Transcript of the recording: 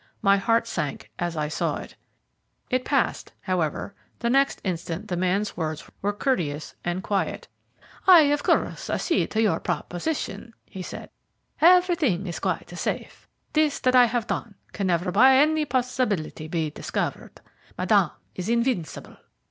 My heart sank as I saw it. It passed, however, the next instant; the man's words were courteous and quiet. "I of course accede to your proposition," he said: "everything is quite safe. This that I have done can never by any possibility be discovered. Madame is invincible.